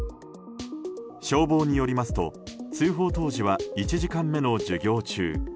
消防によりますと通報当時は１時間目の授業中。